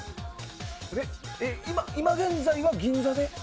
今、現在は銀座で？